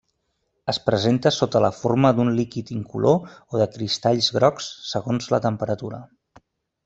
Es presenta sota la forma d'un líquid incolor o de cristalls grocs segons la temperatura.